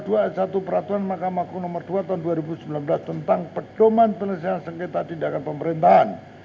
kata dua a satu peraturan makam akun nomor dua tahun dua ribu sembilan belas tentang perdoman penelitian sengketa tindakan pemerintahan